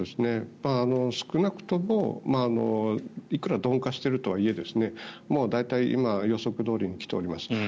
少なくともいくら鈍化しているとはいえもう大体、今予測どおりに来ています。